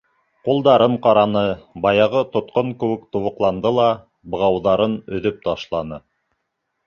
Ҡулдарын ҡараны, баяғы тотҡон кеүек тубыҡланды ла «бығауҙарын өҙөп ташланы».